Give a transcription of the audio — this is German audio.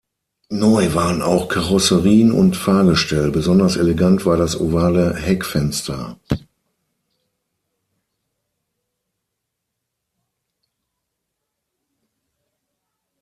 Neu waren auch Karosserien und Fahrgestell, besonders elegant war das ovale Heckfenster.